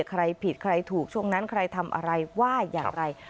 ใครผิดใครถูกช่วงนั้นใครทำอะไรว่าอย่างไร